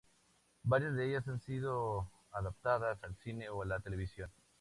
Varias de ellas han sido adaptadas al cine o la televisión.